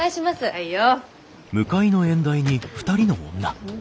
はいよ。